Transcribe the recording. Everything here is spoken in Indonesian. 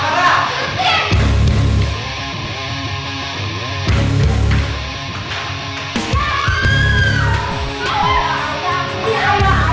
harus kemana lagi